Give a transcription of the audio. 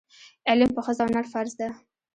علم په ښځه او نر فرض ده.